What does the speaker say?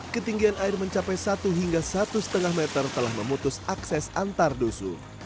ketinggian air mencapai satu hingga satu lima meter telah memutus akses antardusu